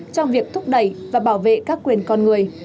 trong việc thúc đẩy và bảo vệ các quyền con người